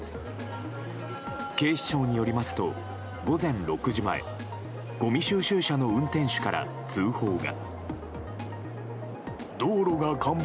警視庁によりますと、午前６時前ごみ収集車の運転手から通報が。